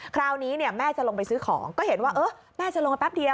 คราวนี้เนี่ยแม่จะลงไปซื้อของก็เห็นว่าเออแม่จะลงไปแป๊บเดียว